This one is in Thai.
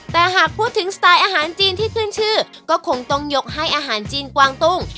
แต่หากพูดถึงสไตล์อาหารจีนที่ขึ้นชื่อก็คงต้องยกให้อาหารจีนกวางตุ้ง